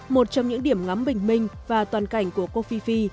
một trong những điểm ngắm bình minh và toàn cảnh của cô phi phi